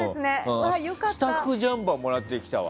スタッフジャンパーもらってきたわ。